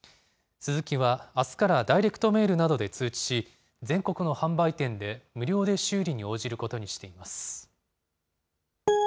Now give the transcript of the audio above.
スズキは、あすからダイレクトメールなどで通知し、全国の販売店で無料で修理に応じることにしています。